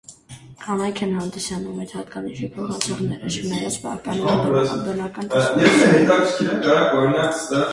Կանայք են հանդիսանում այդ հատկանիշի փոխանցողները, չնայած պահպանում են բնականոն տեսողությունը։